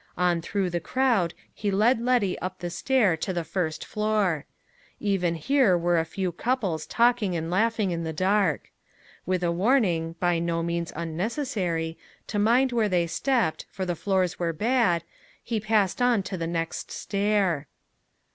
On through the crowd, he led Letty up the stair to the first floor. Even here were a few couples talking and laughing in the dark. With a warning, by no means unnecessary, to mind where they stepped, for the floors were bad, he passed on to the next stair.